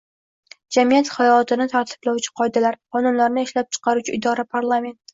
jamiyat hayotini tartiblovchi qoidalar – qonunlarni ishlab chiquvchi idora – parlament